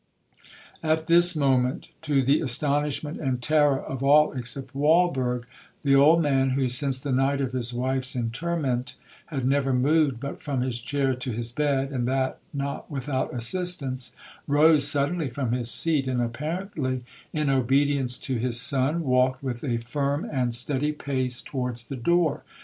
'At this moment, to the astonishment and terror of all except Walberg, the old man, who, since the night of his wife's interment, had never moved but from his chair to his bed, and that not without assistance, rose suddenly from his seat, and, apparently in obedience to his son, walked with a firm and steady pace towards the door.